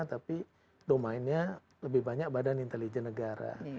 tapi domainnya lebih banyak badan intelijen negara